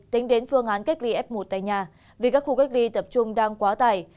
tính đến phương án cách ly f một tại nhà vì các khu cách ly tập trung đang quá tải